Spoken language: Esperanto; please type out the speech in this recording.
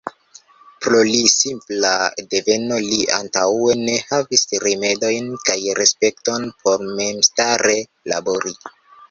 Pro li simpla deveno li antaŭe ne havis rimedojn kaj respekton por memstare labori.